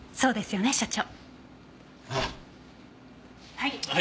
はい。